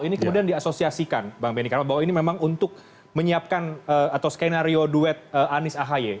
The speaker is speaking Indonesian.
ini kemudian diasosiasikan bang benny karena bahwa ini memang untuk menyiapkan atau skenario duet anies ahy